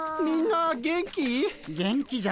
みんな元気？